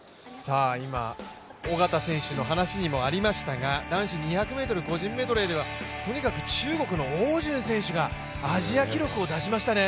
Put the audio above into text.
小方選手の話にもありましたが男子２００ｍ個人メドレーではとにかく中国の汪順選手がアジア記録を出しましたね。